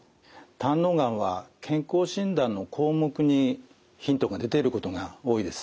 胆のうがんは健康診断の項目にヒントが出ていることが多いです。